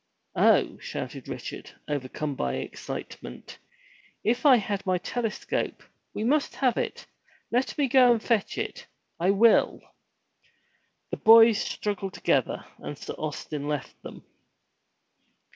"Oh!" shouted Richard, overcome by excitement. "If I had my telescope ! We must have it ! Let me go and fetch it ! I will !'' The boys struggled together, and Sir Austin left them.